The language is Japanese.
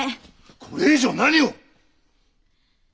これ以上何を！？